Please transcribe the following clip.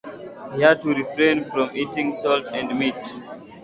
He had to refrain from eating salt and meat.